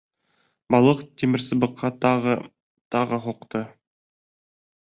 Балыҡ тимерсыбыҡҡа тағы, тағы һуҡты.